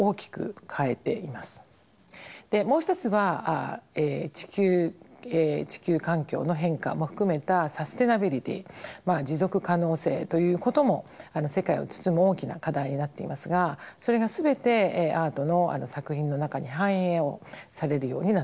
もう一つは地球環境の変化も含めたサステナビリティ持続可能性ということも世界を包む大きな課題になっていますがそれが全てアートの作品の中に反映をされるようになってます。